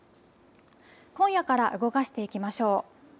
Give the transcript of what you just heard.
今夜から動かしていきましょう。